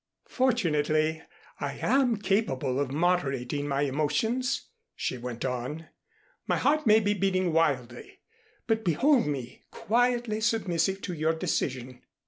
"Fortunately, I am capable of moderating my emotions," she went on. "My heart may be beating wildly, but behold me quietly submissive to your decision.